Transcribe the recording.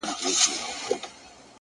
که په ژړا کي مصلحت وو خندا څه ډول وه